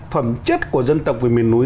phẩm chất của dân tộc về miền núi